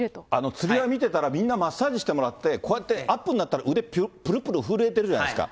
つり輪見てたら、みんなマッサージしてもらって、こうやってアップになったら、腕ぷるぷる震えてるじゃないですか。